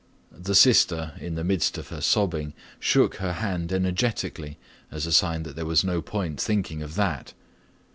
The sister, in the midst of her sobbing, shook her hand energetically as a sign that there was no point thinking of that.